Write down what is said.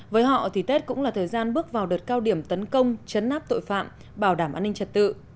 với họ thì tết cũng là thời gian bước vào đợt cao điểm tấn công chấn áp tội phạm bảo đảm an ninh trật tự